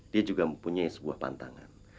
dia juga mempunyai sebuah pantangan